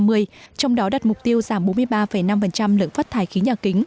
trong đó đặt mục tiêu giảm bốn mươi ba năm lượng phát thải khí nhà kính